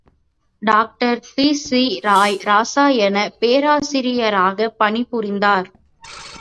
Doctor B. C. Roy ரசாயனப் பேராசிரியராகப் பணிபுரிந்தார்.